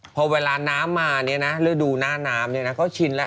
พอเวลาน้ำมาเนี่ยนะฤดูหน้าน้ำเนี่ยนะเขาชินแล้ว